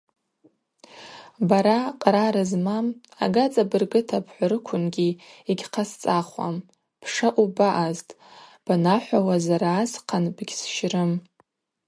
Бара, кърар змам, ага цӏабыргыта бхӏварыквынгьи йыгьхъасцӏахуам, бшаъу баъазтӏ, банахӏвауазара асхъан бгьсщрым.